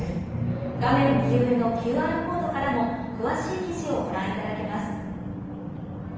画面右上のＱＲコードからも詳しい記事をご覧いただけます。